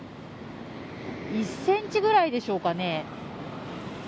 １センチくらいでしょうかね。